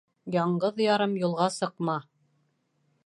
Яңғыҙ-ярым юлға сыҡма.